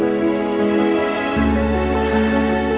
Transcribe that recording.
kenapa api dan permainan